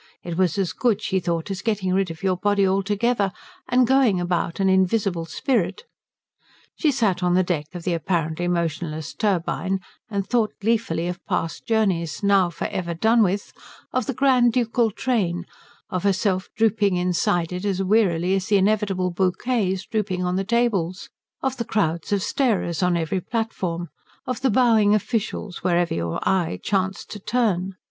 It was as good, she thought, as getting rid of your body altogether and going about an invisible spirit. She sat on the deck of the apparently motionless turbine and thought gleefully of past journeys, now for ever done with; of the grand ducal train, of herself drooping inside it as wearily as the inevitable bouquets drooping on the tables, of the crowds of starers on every platform, of the bowing officials wherever your eye chanced to turn.